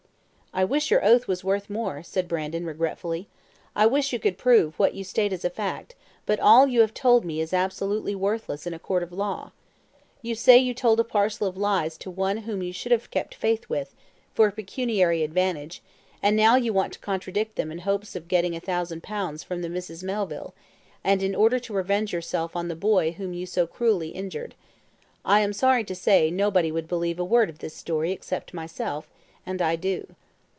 "I wish your oath was worth more," said Brandon, regretfully. "I wish you could prove what you state as a fact; but all you have told me is absolutely worthless in a court of law. You say you told a parcel of lies to one whom you should have kept faith with, for pecuniary advantage, and now you want to contradict them in hopes of getting a thousand pounds from the Misses Melville, and in order to revenge yourself on the boy whom you so cruelly injured. I am sorry to say nobody would believe a word of this story except myself; and I do."